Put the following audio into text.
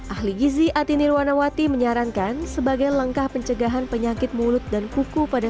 ahli gizi atinirwanawati menyarankan sebagai lengkah pencegahan penyakit mulut dan kuku pada